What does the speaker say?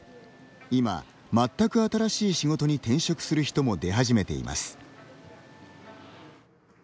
今、全く新しい仕事に転職する人も出始めています。